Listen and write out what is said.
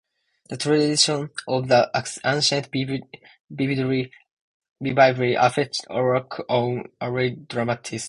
The tradition of the ancients vividly affected our own early dramatists.